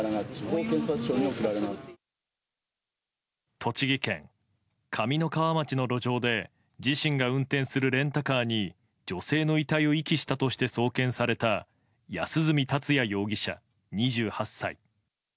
栃木県上三川町の路上で自身が運転するレンタカーに女性の遺体を遺棄したとして送検された安栖達也容疑者、２８歳。